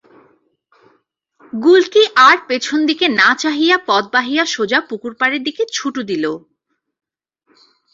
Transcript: গুলকী আর পেছন দিকে না চাহিয়া পথ বাহিয়া সোজা পুকুরপাড়ের দিকে ছুটু দিল।